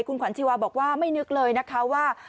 คุณขวัญชีวาบอกว่าไม่นึกเลยนะคะว่า